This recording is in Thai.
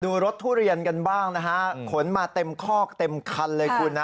รถทุเรียนกันบ้างนะฮะขนมาเต็มคอกเต็มคันเลยคุณนะ